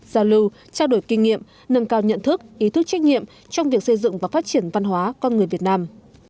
giao lưu trao đổi kinh nghiệm nâng cao nhận thức ý thức trách nhiệm trong việc xây dựng và phát triển văn hóa con người việt nam